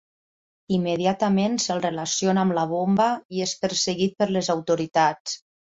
Immediatament se'l relaciona amb la bomba i és perseguit per les autoritats.